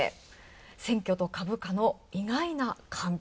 「選挙と株価の意外な関係」。